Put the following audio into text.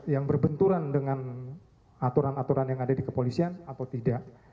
yang berbenturan dengan aturan aturan yang ada di kepolisian atau tidak